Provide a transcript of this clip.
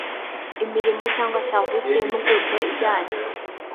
imirimo cyangwa serivisi y impuguke ijyanye